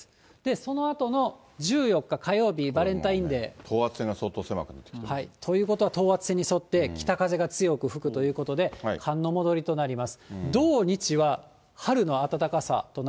そのあとの１４日火曜日、バレンタインデー。ということは、等圧線に沿って北風が強く吹くということで、寒の戻りとなります。